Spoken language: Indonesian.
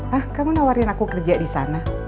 hah kamu nawarin aku kerja disana